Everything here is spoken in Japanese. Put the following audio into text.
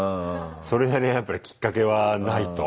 それなりにやっぱりきっかけはないと。